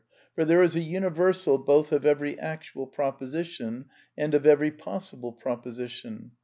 For there is a universal, both of every actual proposition and of every possible proposition.